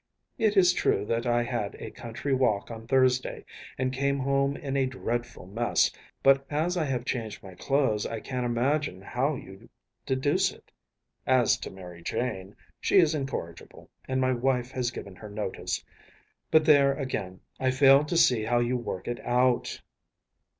It is true that I had a country walk on Thursday and came home in a dreadful mess, but as I have changed my clothes I can’t imagine how you deduce it. As to Mary Jane, she is incorrigible, and my wife has given her notice, but there, again, I fail to see how you work it out.